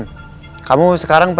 nggak usah ren